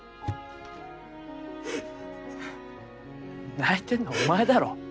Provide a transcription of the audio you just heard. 泣いてんのはお前だろ。